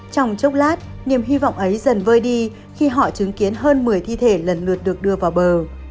trong chốc lát niềm hy vọng ấy dần vơi đi khi họ chứng kiến hơn một mươi thi thể lần lượt được đưa vào bờ